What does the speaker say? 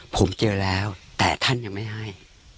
ผมเจอแล้วแต่ท่านยังไม่ให้